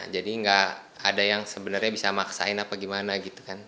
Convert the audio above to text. jadi enggak ada yang sebenarnya bisa maksain apa gimana gitu kan